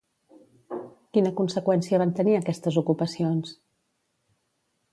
Quina conseqüència van tenir aquestes ocupacions?